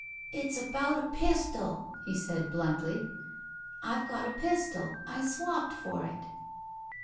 "It's about a pistol," he said, bluntly. "I've got a pistol. I swapped for it."